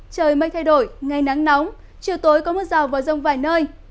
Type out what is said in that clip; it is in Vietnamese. trời mây thay đổi ngày nắng nóng chiều tối có mưa rào và rông vài nơi